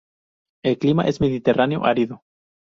El clima es mediterráneo árido.